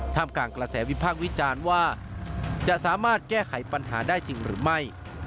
กลางกระแสวิพากษ์วิจารณ์ว่าจะสามารถแก้ไขปัญหาได้จริงหรือไม่